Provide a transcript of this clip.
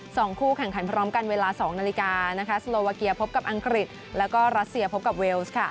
สองคู่แข่งขันพร้อมกันเวลา๒นาฬิกาโซโลวาเกียร์พบกับอังกฤษและรัสเซียพบกับเวลส์